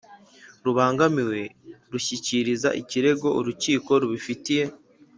rubangamiwe rushyikiriza ikirego urukiko rubifitiye